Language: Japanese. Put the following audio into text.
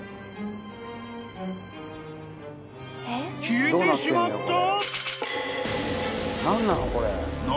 ［消えてしまった！？］